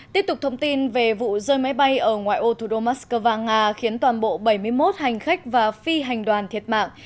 tiếp tục thông tin về vụ rơi máy bay ở ngoại ô thủ đô moscow nga khiến toàn bộ bảy mươi một hành khách và phi hành đoàn thiệt mạng